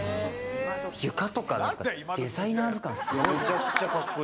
床とかデザイナーズ感すごい。